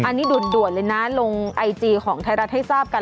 อันนี้ด่วนเลยนะลงไอจีของไทยรัฐให้ทราบกัน